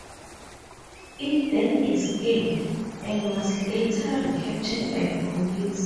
It then escaped, and was later recaptured by police.